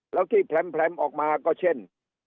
แล้วที่แพร่มออกมาก็เช่น